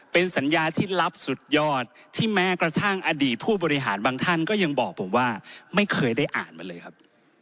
เป็นสัญญาที่ลับสุดยอดที่แม้กระทั่งอดีตผู้บริหารบางท่านก็ยังบอกผมว่าไม่เคยได้อ่านมาเลยครับ